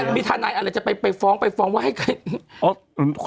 มีทนายอะไรจะไปฟ้องไปฟ้องว่าให้ใคร